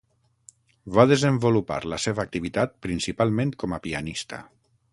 Va desenvolupar la seva activitat principalment com a pianista.